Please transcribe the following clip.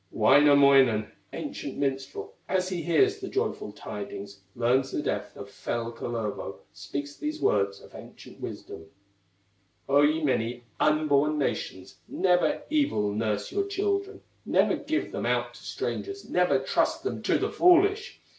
Wainamoinen, ancient minstrel, As he hears the joyful tidings, Learns the death of fell Kullervo, Speaks these words of ancient wisdom: "O, ye many unborn nations, Never evil nurse your children, Never give them out to strangers, Never trust them to the foolish!